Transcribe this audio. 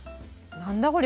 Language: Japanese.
何だこれ？